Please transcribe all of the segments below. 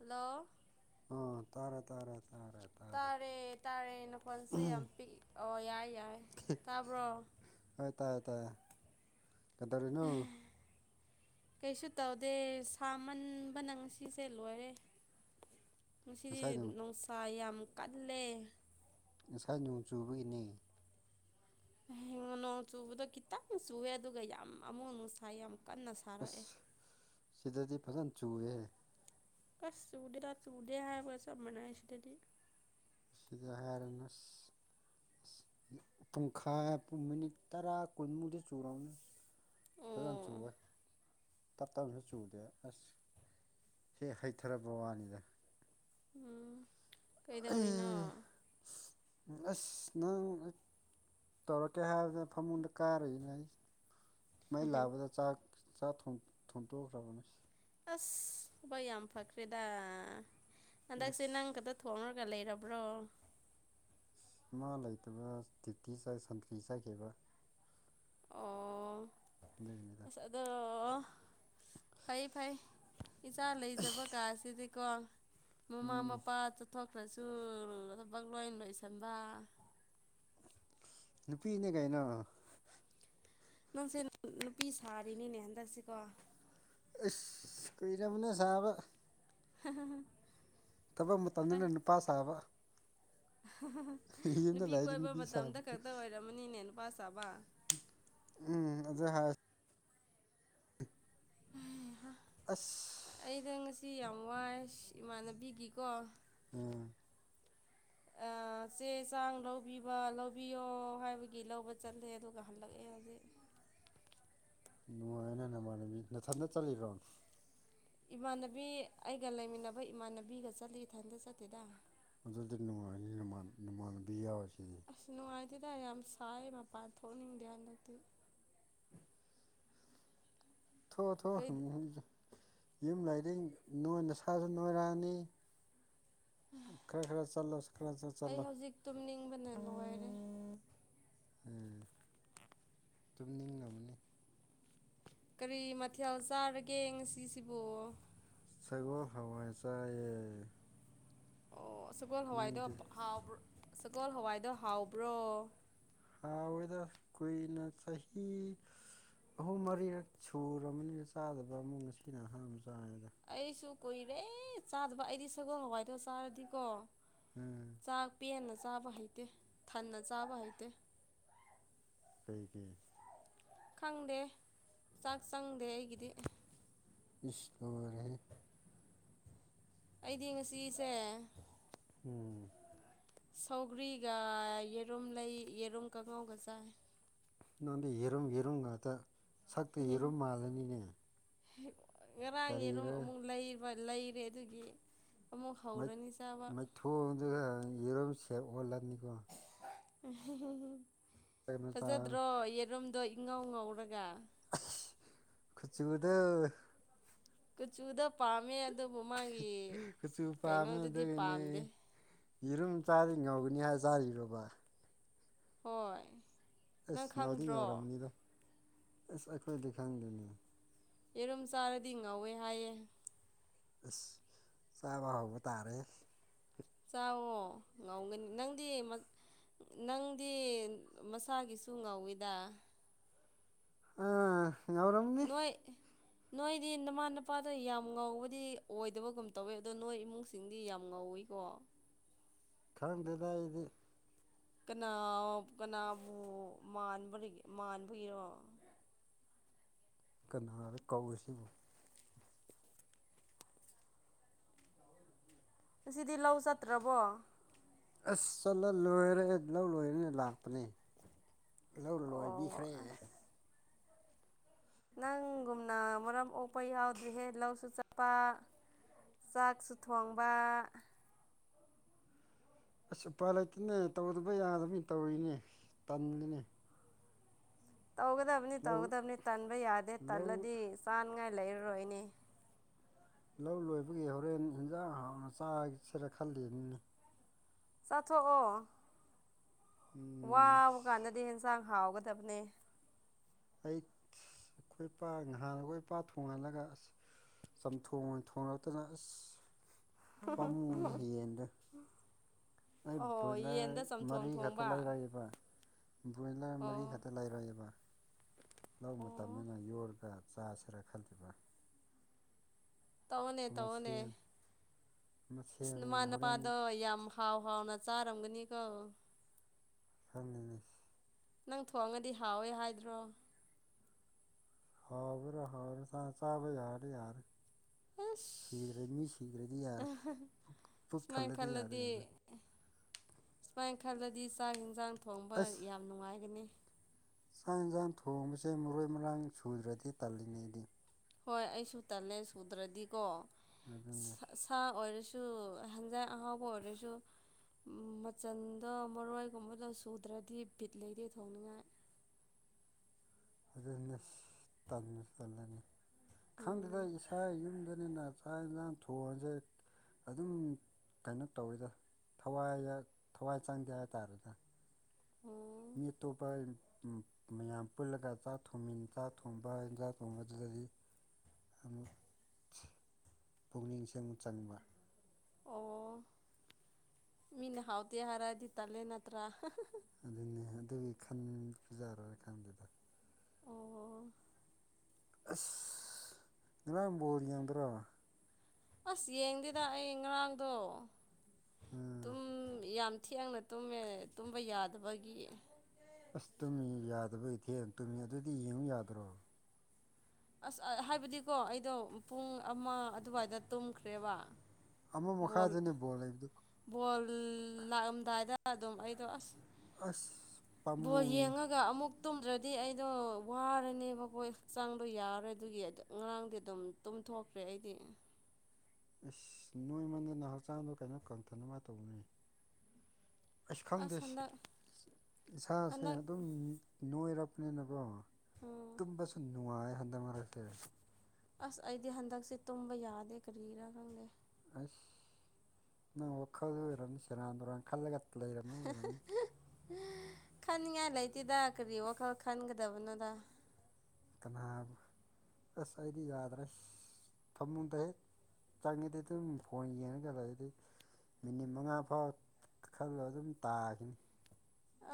hello ꯑꯣ ꯇꯥꯔꯦ ꯇꯥꯔꯦ ꯇꯥꯔꯦ ꯇꯥꯔꯦ ꯅ ꯐꯣꯟꯁꯦ ꯌꯥꯝ ꯎꯝ ꯄꯤꯛ ꯑꯣ ꯌꯥꯏ ꯌꯥꯏ ꯇꯥꯕ꯭ꯔꯣ ꯍꯣꯢ ꯇꯥꯏ ꯀꯗꯧꯔꯤꯅꯣ ꯀꯩꯁꯨ ꯇꯧꯗꯦ ꯁꯥꯃꯟꯕꯅ ꯉꯁꯤꯁꯦ ꯂꯣꯏꯔꯦ ꯉꯁꯤꯗꯤ ꯉꯁꯥꯏ ꯅꯣꯡ ꯅꯨꯡꯁꯥ ꯌꯥꯝ ꯀꯜꯂꯦ ꯉꯁꯥꯏ ꯅꯣꯡ ꯆꯨꯕꯒꯤꯅꯦ ꯅꯣꯡ ꯆꯨꯕꯗꯣ ꯈꯤꯇꯪ ꯆꯨꯌꯦ ꯑꯗꯨꯒ ꯌꯥꯝ ꯑꯃꯨꯛ ꯅꯨꯡꯁꯥ ꯌꯥꯝ ꯀꯟꯅ ꯁꯥꯔꯛꯑꯦ ꯑꯁ ꯁꯤꯗꯗꯤ ꯐꯖꯅ ꯆꯨꯌꯦ ꯀꯁ ꯆꯨꯗꯦꯗ ꯆꯗꯦ ꯍꯥꯏꯕꯒ ꯆꯞ ꯃꯥꯟꯅꯩ ꯁꯤꯗꯗꯤ ꯁꯤꯗ ꯍꯥꯢꯔꯅꯣ ꯑꯁ ꯄꯨꯡꯈꯥꯏ ꯄꯨꯡ ꯃꯤꯅꯤꯠ ꯇꯔꯥ ꯀꯨꯟꯃꯨꯗꯤ ꯆꯨꯔꯝꯅꯤ ꯑꯣ ꯐꯖꯥꯟꯅ ꯆꯨꯑꯦ ꯇꯞ ꯇꯞꯅꯁꯨ ꯆꯨꯗꯦ ꯑꯁ ꯍꯦꯛ ꯍꯩꯊꯔꯕ ꯋꯥꯅꯤꯗ ꯎꯝ ꯀꯩꯗꯧꯔꯤꯅꯣ ꯑꯩ ꯑꯁ ꯅꯪ ꯇꯧꯔꯛꯀꯦ ꯍꯥꯏꯕꯗ ꯐꯃꯨꯡꯗ ꯀꯥꯔꯨꯏꯅꯦ ꯑꯩ ꯃꯩ ꯂꯥꯕꯗꯥ ꯆꯥꯛ ꯆꯥꯛ ꯊꯣꯡꯇꯣꯛꯈ꯭ꯔꯕꯅꯦ ꯑꯁ ꯊꯕꯛ ꯌꯥꯝ ꯐꯈ꯭ꯔꯦꯗ ꯍꯟꯗꯛꯁꯦ ꯅꯪ ꯑꯁ ꯈꯛꯇ ꯊꯣꯡꯉ ꯂꯩꯔꯕ꯭ꯔꯣ ꯏꯃꯥ ꯂꯩꯇꯕ ꯇꯤꯇꯤ ꯆꯥꯏ ꯁꯟꯊꯤ ꯆꯠꯈꯤꯕ ꯑꯣ ꯑꯗꯨꯒꯤꯅꯤꯗ ꯑꯁ ꯑꯗꯣ ꯐꯩ ꯐꯩ ꯏꯆꯥ ꯂꯩꯖꯕ ꯀꯥꯁꯤꯗꯤꯀꯣ ꯃꯃꯥ ꯎꯝ ꯃꯄꯥ ꯆꯠꯊꯣꯛ ꯄꯁꯨ ꯊꯕꯛ ꯂꯣꯏ ꯂꯣꯏꯁꯟꯕ ꯅꯨꯄꯤꯅꯦ ꯀꯩꯅꯣ ꯅꯪꯁꯦ ꯅꯨꯄꯤ ꯁꯥꯔꯤꯅꯤꯅꯦ ꯍꯟꯗꯛꯁꯤꯀꯣ ꯑꯁ ꯀꯨꯢꯔꯕꯅꯦ ꯁꯥꯥꯕ ꯍꯍꯍ ꯊꯕꯛ ꯃꯇꯝꯗꯅ ꯅꯨꯄꯥ ꯁꯥꯕ ꯌꯨꯝꯗ ꯅꯨꯄꯤ ꯂꯩꯔꯗꯤ ꯀꯣꯏꯕ ꯁꯥꯕ ꯃꯇꯝꯗ ꯈꯛꯇ ꯑꯣꯏꯔꯝꯃꯅꯤꯅꯦ ꯅꯨꯄꯥ ꯁꯥꯕ ꯎꯝ ꯑꯗꯨ ꯍꯥꯏ ꯑꯁ ꯑꯩꯗ ꯉꯁꯤ ꯌꯥꯝ ꯋꯥꯏꯌꯦ ꯏꯁ ꯏꯃꯥꯟꯅꯕꯤꯒꯤꯀꯣ ꯎꯝ [inaudible] ꯆꯦ ꯆꯥꯡ ꯂꯧꯕꯤꯕ ꯂꯧꯕꯤꯌꯣ ꯍꯥꯏꯕꯒꯤ ꯂꯧꯕ ꯆꯠꯂꯦ ꯑꯗꯨꯒ ꯍꯜꯂꯛꯑꯦ ꯍꯧꯖꯤꯛ ꯅꯨꯡꯉꯥꯏꯅ ꯅꯃꯥꯟꯅꯕꯤ ꯅꯊꯟꯗ ꯆꯠꯂꯤꯔꯣ ꯏꯃꯥꯟꯅꯕꯤ ꯑꯩꯒ ꯂꯩꯃꯤꯟꯅꯕ ꯏꯃꯥꯟꯅꯕꯤꯒ ꯆꯠꯂꯤ ꯏꯊꯟꯇ ꯆꯠꯇꯦꯗ ꯑꯗꯨꯗꯤ ꯅꯨꯉꯥꯏ ꯅꯨꯉꯥꯏꯅꯤ ꯅꯃꯥꯟꯅꯕꯤ ꯌꯥꯎꯁꯤ ꯑꯁ ꯅꯨꯡꯉꯥꯏꯇꯦꯗ ꯌꯥꯝ ꯁꯥꯏ ꯃꯄꯥꯟ ꯊꯣꯛꯅꯤꯡꯗꯦ ꯍꯟꯗꯛꯇꯤ [inaudible] ꯊꯣ ꯊꯣ ꯀꯩ ꯌꯨꯝ ꯂꯥꯏꯔꯤꯡ ꯅꯣꯏ ꯅꯁꯥꯁꯨ ꯅꯣꯏꯔꯛꯑꯅꯤ ꯈꯔ ꯈꯔ ꯆꯂꯣ ꯈꯔ ꯈꯔ ꯆꯠꯂꯣ ꯇꯨꯝꯕꯅ ꯅꯨꯉꯥꯏꯔꯦ ꯎꯝ ꯇꯨꯝꯅꯤꯡꯉꯝꯅꯤ ꯀꯔꯤ ꯃꯊꯦꯜ ꯆꯥꯔꯒꯦ ꯉꯁꯤꯁꯤꯕꯨ ꯁꯒꯣꯜ ꯍꯋꯥꯏ ꯆꯥꯏꯑꯦ ꯑꯣ ꯁꯒꯣꯜ ꯍꯋꯥꯏꯗꯣ ꯍꯥꯎꯕ꯭ꯔ ꯁꯒꯣꯜ ꯍꯋꯥꯏꯗꯣ ꯍꯥꯎꯕ꯭ꯔꯣ ꯍꯥꯎꯋꯦꯗ ꯀꯨꯏꯅ ꯆꯍꯤ ꯑꯍꯨꯝ ꯃꯔꯤꯔꯛ ꯁꯨꯔꯝꯃꯅꯤ ꯆꯥꯗꯕ ꯑꯃꯨ ꯉꯁꯤꯅ ꯑꯍꯥꯟꯕ ꯆꯥ ꯑꯩꯁꯨ ꯀꯨꯏꯔꯦ ꯆꯥꯗꯕ ꯑꯩꯗꯤ ꯁꯒꯣꯜ ꯍꯋꯥꯏꯗꯣ ꯆꯥꯔꯗꯤꯀꯣ ꯎꯝ ꯆꯥꯛ ꯄꯦꯟꯅ ꯆꯥꯕ ꯍꯩꯇꯦ ꯊꯟꯅ ꯆꯥꯕ ꯍꯩꯇꯦ [inaudible] ꯈꯪꯗꯦ ꯆꯥꯛ ꯆꯪꯗꯦ ꯑꯩꯒꯤꯗꯤ ꯏꯁ ꯂꯣꯏꯔꯦꯍꯦ ꯑꯩꯗꯤ ꯉꯁꯤꯁꯦ ꯎꯝ ꯁꯧꯒ꯭ꯔꯤꯒ ꯌꯦꯔꯨꯝ ꯂꯩ ꯌꯦꯔꯨꯝ ꯀꯉꯥꯎꯒ ꯆꯥꯏ ꯅꯪꯗꯤ ꯌꯦꯔꯨꯝ ꯌꯦꯔꯨꯝ ꯉꯥꯛꯇ ꯁꯛꯇꯤ ꯌꯦꯔꯨꯝ ꯃꯥꯜꯂꯅꯤꯅꯦ ꯍꯤ ꯉꯔꯥꯡ ꯌꯦꯔꯨꯝ ꯀꯔꯤꯔ ꯑꯃꯨꯛ ꯂꯩꯕ ꯂꯩꯔꯦ ꯑꯗꯨꯒꯤ ꯑꯃꯨꯛ ꯃꯩ ꯍꯧꯔꯅꯤ ꯆꯥꯕ ꯃꯩꯊꯣꯡꯗꯨꯗ ꯌꯦꯔꯨꯝ ꯁꯦꯞ ꯑꯣꯜꯂꯅꯤꯀꯣ ꯀꯩꯅꯣ ꯆꯥꯔ ꯐꯖꯗ꯭ꯔꯣ ꯌꯦꯔꯨꯝꯗꯣ ꯏꯪꯉꯧ ꯉꯧꯔꯒ ꯀꯨꯆꯨꯗꯣ ꯀꯨꯆꯨꯗꯣ ꯄꯥꯝꯃꯦ ꯑꯗꯨꯕꯨ ꯃꯥꯒꯤ ꯀꯨꯆꯨ ꯄꯥꯝꯃꯦ ꯀꯩꯅꯣꯗꯨꯗꯤ ꯑꯗꯨꯒꯤꯅꯦ ꯄꯥꯝꯗꯦ ꯌꯦꯔꯨꯝ ꯆꯥꯗꯤ ꯉꯧꯒꯅꯤ ꯍꯥꯏ ꯆꯥꯏꯔꯣꯕ ꯍꯣꯏ ꯅꯪ ꯑꯁ ꯉꯥꯎꯗꯤ ꯈꯪꯗ꯭ꯔꯣ ꯉꯥꯎꯔꯝꯅꯤꯗ ꯑꯁ ꯑꯩꯈꯣꯏꯗꯤ ꯈꯪꯗꯦꯅꯦ ꯌꯦꯔꯨꯝ ꯆꯥꯔꯗꯤ ꯉꯧꯋꯦ ꯍꯥꯏꯌꯦ ꯑꯁ ꯆꯥꯕ ꯍꯧꯕ ꯇꯥꯔꯦ ꯆꯥꯑꯣ ꯉꯧꯒꯅꯤ ꯅꯪꯗꯤ ꯃ ꯅꯪꯗꯤ ꯃꯁꯥꯒꯤꯁꯨ ꯉꯧꯋꯤꯗ ꯑꯥ ꯉꯧꯔꯝꯅꯤ ꯅꯣꯏ ꯅꯣꯏꯗꯤ ꯅꯃꯥꯅꯄꯥꯗꯣ ꯌꯥꯝ ꯉꯧꯕꯗꯤ ꯑꯣꯏꯗꯕꯒꯨꯝ ꯇꯧꯋꯦ ꯑꯗꯣ ꯅꯣꯏ ꯏꯃꯨꯡꯁꯤꯡꯗꯤ ꯌꯥꯝ ꯉꯧꯋꯤ ꯀꯣ [inaudible] ꯈꯪꯗꯦꯗ ꯑꯩꯗꯤ ꯀꯅꯥ ꯀꯅꯥꯕꯨ ꯃꯥꯟꯕꯔꯤꯒꯦ ꯃꯥꯟꯕꯒꯤꯔꯣ ꯀꯥꯅꯔ ꯀꯧꯔꯤꯁꯤꯕꯨ ꯑꯁꯤꯗꯤ ꯂꯧ ꯆꯠꯇ꯭ꯔꯕꯣ ꯑꯁ ꯆꯠꯂ ꯂꯣꯏꯔꯦꯍꯦ ꯂꯧ ꯂꯣꯏꯔꯒ ꯂꯥꯛꯄꯅꯦ ꯂꯧ ꯑꯣ ꯂꯣꯏꯕꯤꯈ꯭ꯔꯦ ꯑꯁ ꯅꯪꯒꯨꯝꯅ ꯃꯔꯝ ꯑꯣꯛꯄ ꯌꯥꯎꯗ꯭ꯔꯤꯍꯦ ꯂꯧꯁꯨ ꯆꯠꯄ ꯆꯥꯛꯁꯨ ꯊꯣꯡꯕ ꯑꯁ ꯎꯄꯥꯏ ꯂꯩꯇꯦꯅꯦ ꯇꯧꯗꯕ ꯌꯥꯗꯕꯒꯤ ꯇꯧꯔꯤꯅꯦ ꯇꯟꯂꯤꯅꯦ ꯇꯧꯒꯗꯕꯅꯤ ꯇꯧꯒꯗꯕꯅꯤ ꯇꯟꯕ ꯌꯥꯗꯦ ꯂꯧ ꯇꯜꯂꯗꯤ ꯆꯥꯅꯉꯥꯏ ꯂꯩꯔꯔꯣꯏꯅꯦ ꯂꯧ ꯂꯣꯏꯕꯒꯤ ꯍꯣꯔꯦꯟ ꯏꯟꯁꯥꯡ ꯍꯥꯎꯅ ꯆꯥꯁꯤꯔ ꯈꯜꯂꯤꯅꯤ ꯆꯥꯊꯣꯛꯑꯣ ꯎꯝ ꯆꯥꯡ ꯍꯥꯎꯒꯗꯕꯅꯦ ꯑꯩ ꯑꯩꯈꯣꯏ ꯏꯄꯥꯛ ꯅꯍꯥꯟꯈꯣꯏ ꯏꯄꯥ ꯊꯣꯡꯍꯜꯂꯒ ꯑꯁ ꯆꯝꯊꯣꯡ ꯑꯣꯢꯅ ꯊꯣꯡꯂꯛꯇꯅ ꯑꯁ ꯄꯥꯝꯃꯨ ꯌꯦꯟꯗ ꯑꯩ ꯑꯣ ꯚꯣꯏꯂꯦ ꯌꯦꯟꯗ ꯆꯝꯊꯣꯡ ꯃꯔꯤ ꯈꯛꯇ ꯊꯣꯡꯕ ꯂꯩꯔꯛꯑꯦꯕ ꯕ꯭ꯔꯣꯏꯂꯔ ꯑꯣ ꯃꯔꯤꯈꯛꯇ ꯂꯩꯔꯛꯑꯦꯕ ꯂꯧ ꯑꯣ ꯃꯇꯝꯅꯤꯅ ꯌꯣꯛꯂꯒ ꯆꯥꯁꯤꯔ ꯈꯜꯂꯤꯕ ꯇꯧꯅꯦ ꯑꯃ ꯇꯧꯅꯦ ꯁꯦꯝ ꯑꯃ ꯑꯁ ꯁꯦꯝ ꯅꯃꯥ ꯍꯣꯔꯦꯟ ꯅꯨꯄꯥꯗꯣ ꯌꯥꯝ ꯍꯥꯎ ꯍꯥꯎꯅ ꯆꯥꯔꯝꯒꯅꯤꯀꯣ [unintelligible] ꯅꯪ ꯊꯣꯡꯉꯗꯤ ꯍꯥꯎꯋꯦ ꯍꯥꯏꯗ꯭ꯔꯣ ꯍꯥꯎꯕ꯭ꯔꯥ ꯍꯥꯎꯕ ꯆꯥ ꯆꯥꯕ ꯌꯥꯔꯗꯤ ꯌꯥꯔꯦ ꯑꯁ ꯁꯤꯗ꯭ꯔꯦ ꯃꯤ ꯁꯤꯗ꯭ꯔꯗꯤ ꯌꯥꯔꯦ ꯑꯍꯥꯍꯥ ꯄꯨꯛ ꯁꯨꯃꯥꯏꯅ ꯊꯜꯂꯗꯤ ꯌꯥꯔꯦ ꯈꯜꯂꯗꯤ ꯀꯩꯅꯣ ꯁꯨꯃꯥꯏꯅ ꯈꯜꯂꯗꯤ ꯆꯥꯛ ꯌꯦꯟꯁꯥꯡ ꯊꯣꯡꯕ ꯑꯁ ꯌꯥꯝ ꯅꯨꯡꯉꯥꯏꯒꯅꯤ ꯆꯥꯛ ꯌꯦꯟꯁꯥꯡ ꯊꯣꯡꯕꯁꯦ ꯃꯔꯣꯏ ꯃꯔꯥꯡ ꯁꯨꯗ꯭ꯔꯗꯤ ꯇꯜꯂꯤꯅꯦ ꯑꯩꯗꯤ ꯍꯣꯏ ꯑꯩꯁꯨ ꯇꯜꯂꯦ ꯁꯨꯗ꯭ꯔꯗꯤꯀꯣ ꯑꯗꯨꯅꯦ ꯗꯨ ꯍꯟꯖꯥꯡ ꯑꯍꯥꯎꯕ ꯑꯣꯏꯔꯁꯨ ꯃꯆꯟꯗꯣ ꯃꯔꯣꯏꯒꯨꯝꯕꯗꯣ ꯁꯨꯗ꯭ꯔꯗꯤ ꯕꯤꯠ ꯂꯩꯇꯦ ꯊꯣꯡꯅꯤꯡꯉꯥꯏ [inaudible] ꯑꯗꯨꯅꯦꯁ ꯇꯟꯕꯨ ꯇꯜꯂꯦꯅꯦ ꯈꯪꯗꯦꯗ ꯎꯝ ꯏꯁꯥ ꯌꯨꯝꯗꯅꯤꯅ ꯆꯥꯛ ꯌꯦꯟꯁꯥꯡ ꯊꯣꯡꯑꯁꯦ ꯑꯗꯨꯝ ꯀꯩꯅꯣ ꯇꯧꯋꯤꯗ ꯊꯋꯥꯏ ꯆꯪꯗꯦ ꯍꯥꯏ ꯇꯥꯔꯦꯗ ꯑꯣ ꯃꯤ ꯑꯇꯣꯞꯄ ꯃꯌꯥꯝ ꯄꯨꯜꯂꯒ ꯆꯥꯛ ꯊꯣꯡꯃꯤ ꯆꯥꯛ ꯊꯣꯡꯕ ꯏꯟꯖꯥꯛ ꯊꯣꯡꯕꯗꯨꯗ ꯗꯤ ꯑꯃꯨꯛ ꯄꯨꯛꯅꯤꯡ ꯆꯪ ꯆꯪꯕ ꯑꯣ ꯃꯤꯅ ꯍꯥꯎꯇꯦ ꯍꯥꯢꯔꯥꯗꯤ ꯇꯜꯂꯦ ꯅꯠꯇ꯭ꯔꯥ ꯍꯥꯍꯥꯍꯥ ꯑꯗꯨꯅꯦ ꯑꯗꯨꯒꯤ ꯈꯟꯕ ꯖꯥꯔꯣꯢ ꯈꯪꯗꯦꯗ ꯑꯣ ꯑꯁ ꯉꯔꯥꯡ ꯕꯣꯜ ꯌꯦꯡꯗꯔꯣ ꯑꯁ ꯌꯦꯡꯗꯦꯗ ꯑꯩ ꯉꯔꯥꯡꯗꯣ ꯎꯝ ꯇꯨꯝ ꯌꯥꯝ ꯊꯦꯡꯅ ꯇꯨꯝꯃꯦ ꯇꯨꯝꯕ ꯌꯥꯗꯕꯒꯤ ꯑꯁ ꯇꯨꯝꯃꯤ ꯌꯥꯗꯕꯩ ꯊꯦꯡ ꯇꯨꯝꯃꯤ ꯑꯗꯨꯗꯤ ꯌꯦꯡꯉꯨ ꯌꯥꯗ꯭ꯔꯣ ꯑꯁ ꯍꯥꯏꯕꯗꯤꯀꯣ ꯑꯩꯗꯣ ꯄꯨꯡ ꯑꯃ ꯑꯗꯨꯋꯥꯏꯗ ꯇꯨꯝꯈ꯭ꯔꯦꯕ ꯑꯃ ꯃꯈꯥꯗꯅꯦ ꯕꯣꯜ ꯂꯩꯕꯗꯨ ꯕꯣꯜ ꯂꯥꯛꯑꯝꯗꯥꯏꯗ ꯑꯗꯨꯝ ꯑꯩꯗꯣ ꯑꯁ ꯑꯁ ꯕꯣꯜ ꯄꯥꯝꯃꯨꯏꯍꯦ ꯌꯦꯡꯉꯒ ꯑꯃꯨꯛ ꯇꯨꯝꯗ꯭ꯔꯗꯤ ꯑꯩꯗꯣ ꯋꯥꯔꯅꯦꯕꯀꯣ ꯍꯛꯆꯥꯡꯗꯣ ꯌꯥꯔꯦ ꯑꯗꯨꯒꯤ ꯉꯔꯥꯡꯗꯤ ꯑꯗꯨꯝ ꯇꯨꯝ ꯇꯨꯝꯊꯣꯛꯈ꯭ꯔꯦ ꯑꯩꯗꯤ ꯑꯁ ꯅꯣꯏꯃꯟꯗꯅ ꯍꯛꯆꯥꯡꯗꯣ ꯀꯩꯅꯣ ꯀꯪꯊꯅꯕ ꯇꯧꯅꯦ ꯑꯩꯁ ꯈꯪꯗꯦ ꯑꯁ ꯍꯟꯗꯛ ꯏꯁꯥꯁꯦ ꯍꯟꯗꯛ ꯑꯗꯨꯝ ꯅꯣꯏꯔꯛꯄꯅꯤꯅꯀꯣ ꯎꯝ ꯇꯨꯝꯕꯁꯨ ꯅꯨꯡꯉꯥꯏ ꯍꯟꯗꯛ ꯃꯔꯛꯁꯦ ꯑꯁ ꯑꯩꯗꯤ ꯍꯟꯗꯛꯁꯦ ꯇꯨꯝꯕ ꯌꯥꯗꯦ ꯀꯔꯤꯔꯥ ꯈꯪꯗꯦ ꯑꯁ ꯅꯪ ꯋꯥꯈꯜꯗ ꯑꯣꯏꯔꯝꯅꯤ ꯁꯦꯔꯥꯟ ꯇꯨꯔꯥꯟ ꯈꯜꯂꯒ ꯂꯩꯔꯝꯅꯤ ꯑꯣꯏꯔꯝꯅꯤ ꯈꯅꯤꯡꯉꯥꯏ ꯂꯩꯇꯦꯗ ꯀꯔꯤ ꯋꯥꯈꯜ ꯈꯟꯒꯗꯕꯅꯣꯗ ꯀꯅꯥ ꯑꯁ ꯑꯩꯗꯤ ꯌꯥꯗ꯭ꯔꯦ ꯐꯃꯨꯡꯗ ꯍꯦꯛ ꯆꯪꯉꯤꯗꯤ ꯑꯗꯨꯝ ꯐꯣꯟ ꯌꯦꯡꯉꯒ ꯂꯩꯗꯤ ꯃꯤꯅꯤꯠ ꯃꯉꯥ ꯐꯥꯎ ꯈꯜꯂ ꯑꯗꯨꯝ ꯇꯥꯈꯤꯅꯤ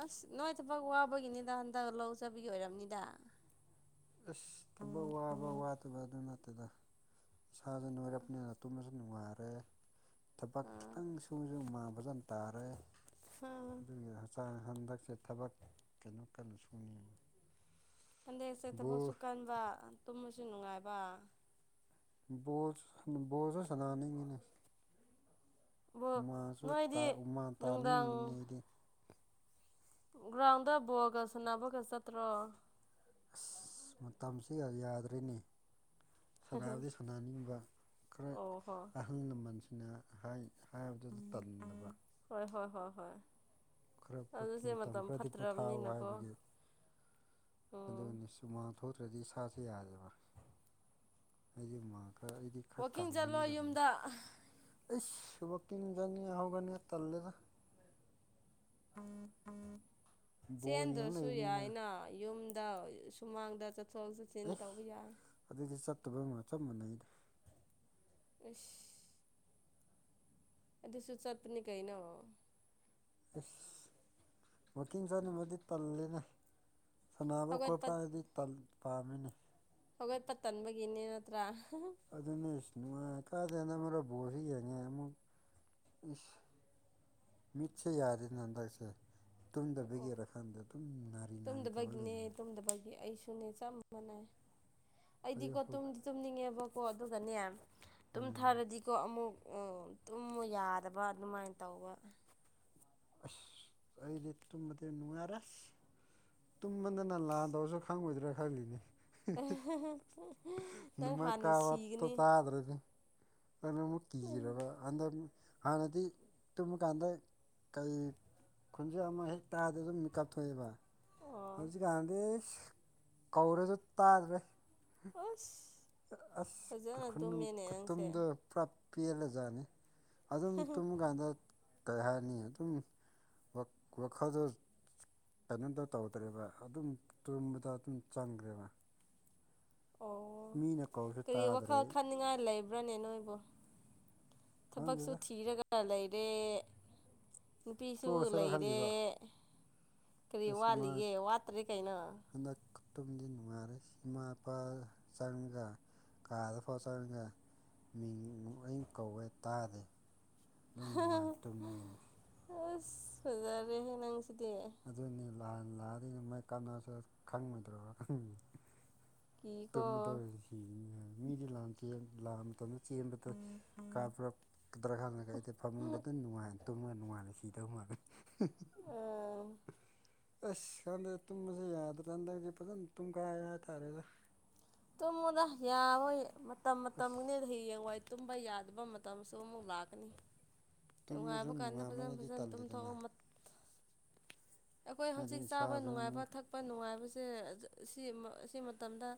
ꯑꯁ ꯅꯣꯏ ꯊꯕꯛ ꯋꯥꯕꯒꯤꯅꯤꯗ ꯍꯟꯗꯛ ꯂꯧ ꯆꯠꯄꯒꯤ ꯑꯣꯏꯔꯝꯅꯤꯗ ꯑꯁ ꯊꯕꯛ ꯋꯥꯕ ꯋꯥꯗꯕ ꯑꯗꯨ ꯅꯠꯇꯦꯗ ꯁꯥꯁꯨ ꯅꯣꯏꯔꯞꯅꯤꯅ ꯇꯨꯝꯃꯁꯨ ꯅꯨꯉꯥꯏꯔꯦ ꯊꯕꯛ ꯑꯥ ꯈꯤꯇꯪ ꯁꯨꯁꯨ ꯍꯨꯃꯥꯡ ꯐꯖꯟ ꯇꯥꯔꯦ ꯎꯝ ꯑꯗꯨꯒꯤ ꯍꯛꯆꯥꯡ ꯍꯟꯗꯛꯁꯦ ꯊꯕꯛ ꯀꯩꯅꯣ ꯀꯟꯅ ꯁꯨꯅꯤꯡꯉꯤ ꯍꯟꯗꯦꯛꯁꯦ ꯊꯕꯛꯁꯨ ꯕꯣꯜ ꯀꯟꯕ ꯇꯨꯝꯕꯁꯨ ꯅꯨꯡꯉꯥꯏꯕ ꯕꯣꯁ ꯕꯣꯜꯁꯨ ꯁꯅꯥꯅꯤꯡꯏꯅꯦ ꯕꯣ ꯎꯃꯥꯁꯨ ꯇꯥ ꯅꯣꯏꯗꯤ ꯎꯃꯥ ꯅꯨꯡꯗꯥꯡ ꯇꯥꯅꯤꯡꯉꯤꯕꯅꯦ ꯑꯩꯗꯤ ꯒ꯭ꯔꯥꯎꯟꯗ ꯕꯣꯜꯒ ꯁꯥꯟꯅꯕꯒ ꯆꯠꯇ꯭ꯔꯣ ꯑꯁ ꯃꯇꯝꯁꯤꯒ ꯌꯥꯗ꯭ꯔꯦꯅꯦ ꯁꯥꯟꯅꯕꯗꯤ ꯁꯥꯟꯅꯅꯤꯡꯕ ꯈꯔ ꯑꯣ ꯍꯣ ꯑꯍꯜ ꯂꯃꯟꯁꯤꯡꯅ ꯍꯥꯏ ꯍꯥꯏꯕꯗꯨꯗ ꯇꯜꯂꯕ ꯍꯣ ꯍꯣꯏ ꯍꯣꯏ ꯈꯔꯄꯇꯤ ꯑꯗꯨꯁꯦ ꯃꯇꯝ ꯈꯔꯗꯤ ꯄꯣꯊꯥꯎ ꯐꯠꯇ꯭ꯔꯕꯅꯤꯅꯀꯣ ꯍꯥꯏꯕꯒꯤ ꯎꯝ ꯑꯗꯨꯅꯤ ꯁꯨꯃꯥꯡ ꯊꯣꯛꯇ꯭ꯔꯗꯤ ꯏꯁꯥꯁꯦ ꯌꯥꯗꯦꯕ ꯍꯥꯏꯗꯤ ꯃꯥ ꯋꯥꯛꯀꯤꯡ ꯆꯠꯂꯣ ꯌꯨꯝꯗ ꯑꯁ ꯋꯥꯛꯀꯤꯡ ꯆꯪꯅꯤ ꯍꯧꯒꯅꯤ ꯇꯜꯂꯦꯗ ꯕꯣꯜ ꯌꯦꯡ ꯆꯦꯟꯗ꯭ꯔꯁꯨ ꯂꯩꯕꯅꯤꯅ ꯌꯥꯏꯅ ꯌꯨꯝ ꯗ ꯁꯨꯃꯥꯡꯗ ꯆꯠꯊꯣꯛ ꯆꯠꯁꯤꯟ ꯇꯧꯕ ꯌꯥꯏ ꯇꯨꯕꯝꯒ ꯆꯞ ꯃꯥꯟꯅꯩꯗ ꯑꯩꯁ ꯑꯗꯨꯁꯨ ꯆꯠꯄꯅꯤ ꯀꯩꯅꯣ ꯏꯁ ꯋꯥꯛꯀꯤꯡ ꯆꯠꯅꯕꯗꯤ ꯇꯜꯂꯤꯗꯥ ꯁꯥꯟꯅꯕ ꯍꯧꯒꯠꯄ ꯈꯣꯠꯄ ꯍꯥꯏꯗꯤ ꯇꯜ ꯄꯥꯝꯃꯦꯅꯦ ꯍꯧꯒꯠꯄ ꯇꯟꯕꯒꯤꯅꯦ ꯅꯠꯇ꯭ꯔ ꯑꯗꯨꯅꯦ ꯁ ꯅꯨꯡꯉꯥꯏ ꯀꯥꯗꯦꯅ ꯃꯔꯣ ꯕꯣꯜꯁꯨ ꯌꯦꯡꯉꯦ ꯑꯃꯨꯛ ꯏꯁ ꯃꯤꯠꯁꯦ ꯌꯥꯗꯦꯅ ꯍꯟꯗꯛꯁꯦ ꯑꯣ ꯇꯨꯝꯗꯕꯒꯤꯔ ꯈꯪꯗꯦ ꯑꯗꯨꯝ ꯅꯥꯔꯤ ꯅꯥꯔꯤ ꯇꯧꯔ ꯇꯨꯝꯗꯕꯒꯤꯅꯦ ꯂꯩꯅꯦ ꯇꯨꯝꯗꯕꯒꯤ ꯑꯩꯁꯨꯅꯦ ꯆꯞ ꯃꯥꯟꯅꯩ ꯑꯩꯗꯤꯀꯣ ꯑꯌꯨꯛ ꯍꯧ ꯇꯨꯝꯗꯤ ꯇꯨꯝꯅꯤꯡꯉꯦꯕꯀꯣ ꯑꯗꯨꯒꯅꯦ ꯎꯝ ꯇꯨꯝꯊꯥꯔꯗꯤꯀꯣ ꯑꯃꯨꯛ ꯑꯣ ꯇꯨꯝꯃꯨ ꯌꯥꯗꯕ ꯑꯗꯨꯃꯥꯏꯟ ꯇꯧꯕ ꯑꯁ ꯑꯩꯗꯤ ꯇꯨꯝꯃꯗꯤ ꯅꯨꯡꯉꯥꯏꯔꯦꯁ ꯇꯨꯝꯕꯗꯅ ꯂꯥꯟ ꯗꯧꯔꯁꯨ ꯈꯪꯉꯣꯏꯗ꯭ꯔꯥ ꯈꯪꯂꯤꯅꯦ ꯅꯪ ꯅꯨꯃꯥꯏ ꯍꯥꯟꯅ ꯀꯕ ꯇꯣ ꯁꯤꯒꯅꯤ ꯇꯥꯗ꯭ꯔꯗꯤ ꯑꯗꯨꯃꯨꯛ ꯀꯤꯔꯕ ꯍꯟꯗꯛ ꯍꯥꯟꯅꯗꯤ ꯇꯨꯝꯃ ꯀꯥꯟꯗ ꯀꯩ ꯈꯨꯟꯖꯦꯜ ꯑꯃ ꯍꯦꯛ ꯇꯥꯕꯗ ꯑꯗꯨꯝ ꯃꯤꯀꯞ ꯊꯣꯛꯑꯦꯕ ꯑꯣ ꯍꯧꯖꯤꯛꯀꯥꯟꯗꯤ ꯏꯁ ꯀꯧꯔꯁꯨ ꯇꯥꯗ꯭ꯔꯦ ꯑꯁ ꯑꯁ ꯐꯖꯅ ꯀꯈꯨꯟ ꯇꯨꯝꯃꯦꯅꯦ ꯅꯪꯁꯦ ꯈꯨꯇꯨꯝꯗꯣ ꯄ꯭ꯔꯞ ꯄꯦꯜꯂꯖꯥꯠꯅꯤ ꯑꯗꯨꯝ ꯇꯨꯝꯕ ꯀꯥꯟꯗ ꯀꯩ ꯍꯥꯏꯅꯤ ꯑꯗꯨꯝ ꯋ ꯋꯥꯈꯜꯗꯣ ꯀꯩꯅꯣꯗ ꯇꯧꯗ꯭ꯔꯦꯕ ꯑꯗꯨꯝ ꯇꯨꯝꯕꯗ ꯑꯗꯨꯝ ꯆꯪꯈ꯭ꯔꯦꯕ ꯑꯣ ꯃꯤꯅ ꯀꯧꯔꯁꯨ ꯀꯔꯤ ꯇꯥꯗ꯭ꯔꯦ ꯋꯥꯈꯜ ꯈꯟꯅꯤꯡꯉꯥꯏ ꯂꯩꯕ꯭ꯔꯥꯅꯦ ꯅꯣꯏꯕꯨ ꯊꯕꯛꯁꯨ ꯈꯪꯗꯦꯗ ꯊꯤꯔꯒ ꯂꯩꯔꯦ ꯅꯨꯄꯤꯁꯨ ꯇꯣꯛꯑꯁꯤꯔ ꯂꯩꯔꯦ ꯈꯜꯂꯤꯕ ꯀꯔꯤ ꯑꯁ ꯋꯥꯠꯂꯤꯒꯦ ꯋꯥꯠꯇ꯭ꯔꯦ ꯀꯩꯅꯣ ꯈꯨ ꯇꯨꯝꯗꯤ ꯅꯨꯡꯉꯥꯏꯔꯦ ꯏꯃꯥ ꯏꯄꯥ ꯆꯪꯒ ꯀꯥꯗ ꯐꯥꯎ ꯆꯡꯉꯒ ꯃꯤꯡ ꯀꯧꯋꯦ ꯇꯥꯗꯦ ꯑꯗꯨꯝ ꯅꯨꯡꯉꯥꯏ ꯇꯨꯝꯃꯒꯦ ꯑꯁ ꯐꯖꯔꯦꯍꯦ ꯅꯪ ꯑꯗꯨꯅꯤ ꯂꯥꯟ ꯂꯥꯛꯑꯗꯤ ꯅꯣꯡꯃꯩ ꯀꯥꯞꯅꯕꯗꯨ ꯈꯪꯉꯣꯏꯗ꯭ꯔꯣ ꯈꯪꯅꯤ ꯀꯤꯀꯣ ꯇꯨꯝꯗꯦ ꯁꯤꯅꯤꯍꯦ ꯃꯤꯗꯤ ꯂꯥꯟ ꯆꯦꯟ ꯂꯥꯟ ꯇꯧꯅꯤ ꯆꯦꯟꯕꯗ ꯀꯥꯞꯔꯛ ꯗ꯭ꯔ ꯈꯪꯗꯦ ꯑꯩꯗꯤ ꯐꯃꯨꯡꯗ ꯑꯗꯨꯝ ꯅꯨꯡꯉꯥꯏꯅ ꯇꯨꯝꯃ ꯅꯨꯡꯉꯥꯏ ꯀꯤꯗꯧ ꯃꯥꯜꯂꯦ [unintelligible] ꯑꯣ [inaudible] ꯑꯁ ꯈꯪꯗꯦ ꯇꯨꯝꯕꯖꯦ ꯌꯥꯗ꯭ꯔꯀꯥꯟꯗ ꯍꯟꯗꯛꯇꯤ ꯐꯖꯅ ꯇꯨꯡꯒꯥꯏꯔꯦ ꯍꯥꯏꯇꯥꯔꯦꯗ ꯇꯨꯝꯃꯨꯗꯥ ꯌꯥꯔꯣꯏ ꯃꯇꯝ ꯑꯁ ꯃꯇꯝꯒꯤꯅꯦ ꯍꯌꯦꯡꯋꯥꯏ ꯇꯨꯝꯕ ꯌꯥꯗꯕ ꯃꯇꯝꯁꯨ ꯑꯃꯨꯛ ꯂꯥꯛꯀꯅꯤ ꯇꯨꯝꯕꯁꯨ ꯅꯨꯡꯉꯥꯏꯕ ꯀꯥꯟꯗ ꯐꯖ ꯅꯨꯡꯉꯥꯏꯃꯜꯂꯗꯤ ꯐꯖꯅ ꯇꯜꯂꯤꯗꯅ ꯇꯨꯝꯊꯣꯛꯑꯣ ꯃꯠ ꯑꯩꯈꯣꯏ ꯍꯥꯏꯗꯤ ꯍꯧꯖꯤꯛ ꯆꯥꯕ ꯏꯁꯥꯁꯦ ꯅꯨꯡꯉꯥꯏꯕ ꯑꯃꯨꯛ ꯊꯛꯄ ꯅꯨꯡꯉꯥꯏꯕ ꯖꯦ ꯑꯁꯤ ꯃ ꯑꯁꯤ ꯃꯇꯝꯗ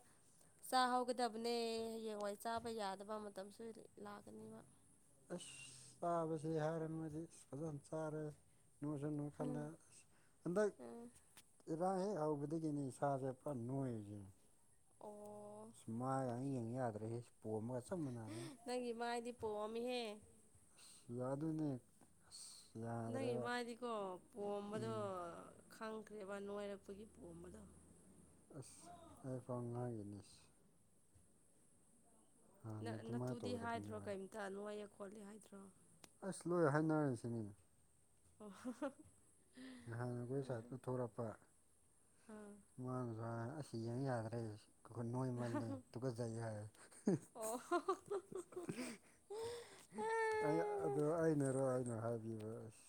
ꯆꯥꯍꯧꯒꯗꯕꯅꯦ ꯍꯌꯦꯡꯋꯥꯏ ꯆꯥꯕ ꯌꯥꯗꯕ ꯃꯇꯝꯁꯨ ꯂꯥꯛꯀꯅꯤꯕ ꯑꯁ ꯆꯥꯕꯖꯤ ꯍꯥꯏꯔꯝꯃꯗꯤ ꯐꯖꯅ ꯆꯥꯔꯦ ꯅꯣꯏꯖꯨ ꯅꯣꯏꯈꯠꯂꯦ ꯍꯟꯗꯛ ꯎꯝ ꯑꯦ [unintelligible] ꯍꯦꯛ ꯍꯧꯕꯗꯒꯤꯅꯤ ꯏꯁꯥꯖꯦ ꯄꯨꯔꯥ ꯅꯣꯏꯔꯤꯖꯦ ꯑꯣ ꯁꯨ ꯃꯥꯏꯒꯖꯦ ꯌꯦꯡ ꯌꯥꯗ꯭ꯔꯦꯍꯦ ꯄꯣꯝꯃꯒ ꯆ ꯅꯪꯒꯤ ꯃꯥꯏꯗꯤ ꯄꯣꯝꯃꯤꯍꯦ ꯌꯥꯗꯨꯅꯦ ꯑꯁ ꯅꯪꯒꯤ ꯌꯥꯗ꯭ꯔꯦꯕ ꯃꯥꯏꯗꯤꯀꯣ ꯄꯣꯝꯕꯗꯣ ꯎꯝ ꯈꯪꯈ꯭ꯔꯦꯕ ꯅꯣꯏꯔꯛꯄꯒꯤ ꯄꯣꯝꯕꯗꯣ ꯑꯁ ꯑꯩ ꯐꯥꯎ ꯉꯥꯡꯉꯤꯅꯦ ꯁꯤ ꯅ ꯑꯗꯨꯃꯥꯏꯅ ꯅꯇꯨꯗꯤ ꯍꯥꯏꯗ꯭ꯔꯣ ꯇꯧꯗꯕꯅꯦꯕ ꯀꯩꯝꯇ ꯅꯣꯏꯌꯦ ꯈꯣꯠꯂꯦ ꯍꯥꯏꯗ꯭ꯔꯣ ꯑꯁ ꯂꯣꯏ ꯍꯥꯏꯅꯔꯁꯤꯅꯤ ꯑꯣ ꯍꯨꯝ ꯍꯨꯝ ꯅꯍꯥꯟ ꯑꯈꯣꯏ ꯁꯥꯏꯇꯣ ꯊꯣꯔꯛꯄ ꯑꯥ ꯃꯥꯅꯖꯨ ꯍꯥꯏ ꯑꯁ ꯌꯦꯡ ꯌꯥꯗ꯭ꯔꯦ ꯅꯣꯏꯃꯜꯂꯦ ꯇꯨꯒꯖꯩ ꯍꯥꯏ ꯑꯣ [unintelligible] [unintelligible] ꯑꯩ ꯑꯗꯣ ꯑꯩꯅꯔꯣ ꯑꯩꯅ ꯍꯥꯏꯕꯤꯕ ꯑꯁ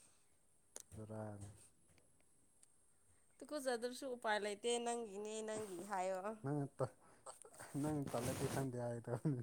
[unintelligible] ꯇꯨꯀꯨꯆꯗ꯭ꯔꯁꯨ ꯎꯄꯥꯏ ꯂꯩꯇꯦ ꯅꯪ ꯅꯪꯅ ꯇ ꯅꯪꯅ ꯇꯜꯂꯗꯤ ꯈꯪꯗꯦ ꯍꯥꯏꯒꯗꯕꯅꯤ